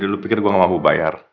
jadi lo pikir gue gak mampu bayar